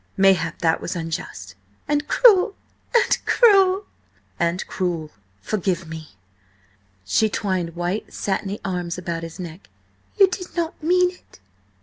Mayhap that was unjust." "And cruel! And cruel!" "And cruel. Forgive me." She twined white, satiny arms about his neck. "You did not mean it?"